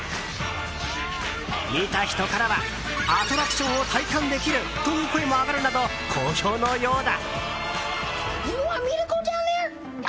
見た人からはアトラクションを体感できる！という声も上がるなど、好評のようだ。